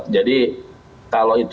jadi kalau itu